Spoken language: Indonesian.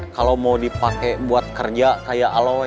kalau mau dipakai buat kerja kayak aloy